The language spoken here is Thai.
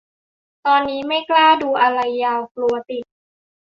ตอนนี้ไม่กล้าดูอะไรยาว กลัวติด